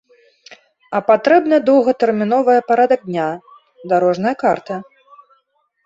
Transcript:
А патрэбна доўгатэрміновая парадак дня, дарожная карта.